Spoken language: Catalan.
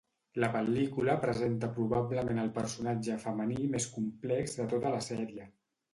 La pel·lícula presenta probablement el personatge femení més complex de tota la sèrie.